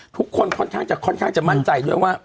ทุกคนค่อนข้างจะมั่นใจด้วยว่า